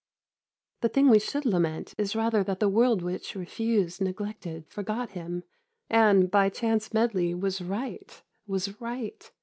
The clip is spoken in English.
The thing we should lament is rather that the world which refused, neglected, forgot him and by chance medley was right, was right!